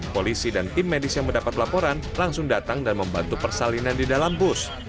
polisi dan tim medis yang mendapat laporan langsung datang dan membantu persalinan di dalam bus